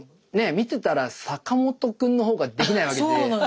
見てたら坂本くんの方ができないわけで。